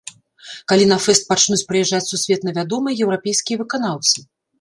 Калі на фэст пачнуць прыязджаць сусветна вядомыя еўрапейскія выканаўцы?